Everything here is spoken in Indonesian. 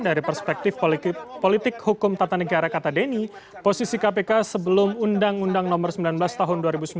dari perspektif politik hukum tata negara kata denny posisi kpk sebelum undang undang nomor sembilan belas tahun dua ribu sembilan